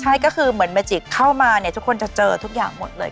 ใช่ก็คือเหมือนเมจิกเข้ามาเนี่ยทุกคนจะเจอทุกอย่างหมดเลย